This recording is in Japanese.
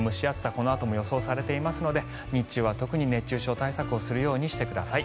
このあとも予想されていますので日中は特に熱中症対策をするようにしてください。